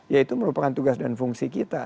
ya itu merupakan tugas dan fungsi kita